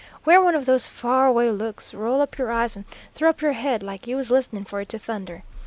Wear one of those far away looks, roll up your eyes, and throw up your head like you was listening for it to thunder.